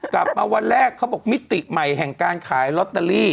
กลับมาวันแรกเขาบอกมิติใหม่แห่งการขายลอตเตอรี่